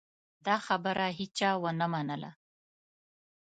دا خبره هېچا ونه منله.